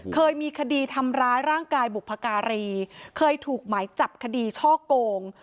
เคยมีคดีทำร้ายร่างกายบุพการีเคยถูกหมายจับคดีช่อโกง